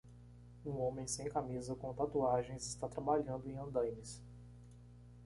Um homem sem camisa com tatuagens está trabalhando em andaimes.